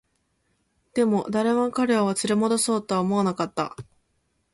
でも、誰も彼を連れ戻そうとは思わなかった